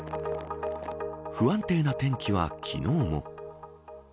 不安定な天気は昨日も。